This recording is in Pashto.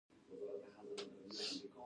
سید راحت زاخيلي د سید فریح الله زوی و.